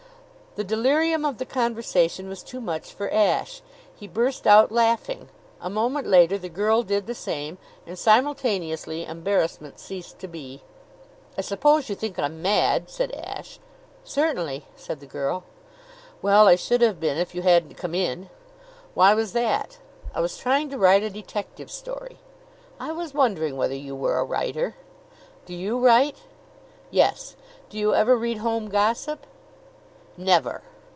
The delirium of the conversation was too much for Ashe. He burst out laughing. A moment later the girl did the same. And simultaneously embarrassment ceased to be. "I suppose you think I'm mad?" said Ashe. "Certainly," said the girl. "Well, I should have been if you hadn't come in." "Why was that?" "I was trying to write a detective story." "I was wondering whether you were a writer." "Do you write?" "Yes. Do you ever read Home Gossip?" "Never!"